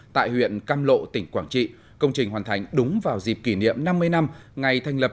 tại huyện cam lộ tỉnh quảng trị công trình hoàn thành đúng vào dịp kỷ niệm năm mươi năm ngày thành lập